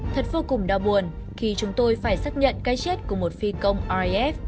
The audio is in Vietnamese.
thật vô cùng đau buồn khi chúng tôi phải xác nhận cái chết của một phi công rif